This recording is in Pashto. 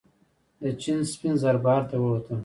د چین سپین زر بهر ته ووتل.